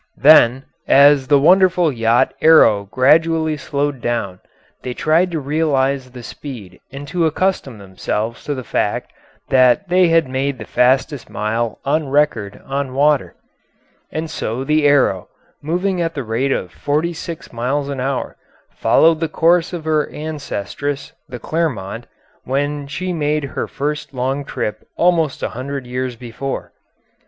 Then, as the wonderful yacht Arrow gradually slowed down, they tried to realise the speed and to accustom themselves to the fact that they had made the fastest mile on record on water. And so the Arrow, moving at the rate of forty six miles an hour, followed the course of her ancestress, the Clermont, when she made her first long trip almost a hundred years before.